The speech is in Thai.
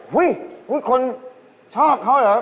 โว้ยโว้ยคนชอบเขาเหรอ